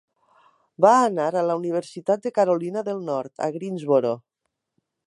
Va anar a la Universitat de Carolina del Nord, a Greensboro.